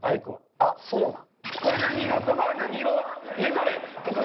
あっそうなん？